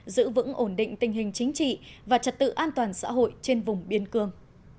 giữ vững ổn định tình hình chính trị và trật tự an toàn xã hội trên vùng biên cương